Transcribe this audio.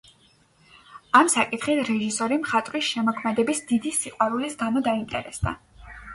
ამ საკითხით რეჟისორი მხატვრის შემოქმედების დიდი სიყვარულის გამო დაინტერესდა.